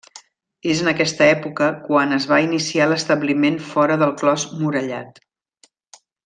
És en aquesta època quan es va iniciar l'establiment fora del clos murallat.